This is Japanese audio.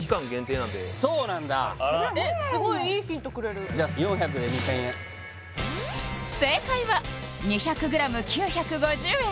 すごいいいヒントくれるじゃあ４００で２０００円正解は２００ｇ９５０円